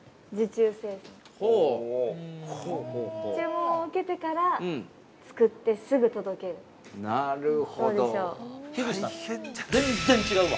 注文を受けてから作ってすぐ届ける、どうでしょう？